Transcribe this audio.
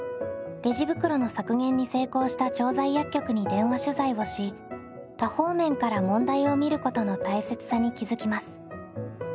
レジ袋の削減に成功した調剤薬局に電話取材をし多方面から問題を見ることの大切さに気付きます。